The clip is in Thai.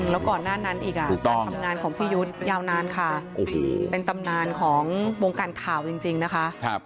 แล้วก่อนหน้านั้นอีกการทำงานของพี่ยุทธ์ยาวนานค่ะเป็นตำนานของวงการข่าวจริงนะคะ